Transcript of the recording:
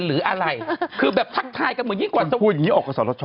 หรือใครเจอ